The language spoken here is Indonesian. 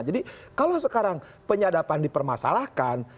jadi kalau sekarang penyadapan dipermasalahkan